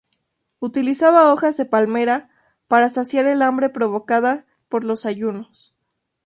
Utilizaban hojas de palmera para saciar el hambre provocada por los ayunos.